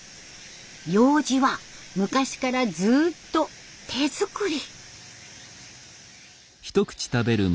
ようじは昔からずっと手作り。